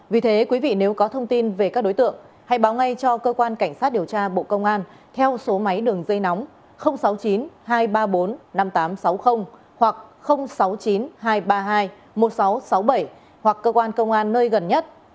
vì thế quý vị nếu có thông tin về các đối tượng hãy báo ngay cho cơ quan cảnh sát điều tra bộ công an theo số máy đường dây nóng sáu mươi chín hai trăm ba mươi bốn năm nghìn tám trăm sáu mươi hoặc sáu mươi chín hai trăm ba mươi hai một nghìn sáu trăm sáu mươi bảy hoặc cơ quan công an nơi gần nhất